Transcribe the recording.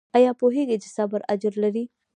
ایا پوهیږئ چې صبر اجر لري؟